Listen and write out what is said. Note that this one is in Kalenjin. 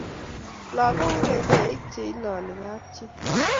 langok ko kecheik cheilali kap chii